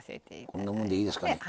こんなもんでいいですかね。